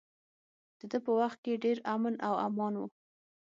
د ده په وخت کې ډیر امن و امان و.